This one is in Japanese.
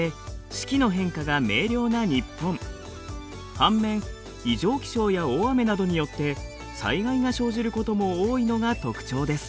半面異常気象や大雨などによって災害が生じることも多いのが特徴です。